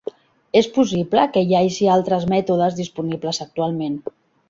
És possible que hi hagi altres mètodes disponibles actualment.